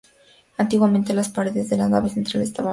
Antiguamente, las paredes de la nave central estaban pintadas.